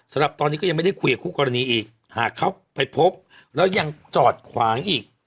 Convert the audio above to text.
สำหรับตอนนี้ก็ยังไม่ได้คุยกับคู่กรณีอีกหากเขาไปพบแล้วยังจอดขวางอีก